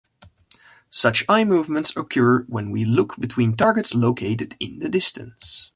Such eye movements occur whenever we look between targets located in the distance.